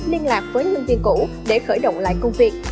liên lạc với nhân viên cũ để khởi động lại công việc